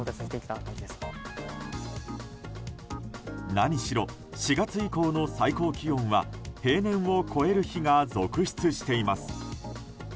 何しろ、４月以降の最高気温は平年を超える日が続出しています。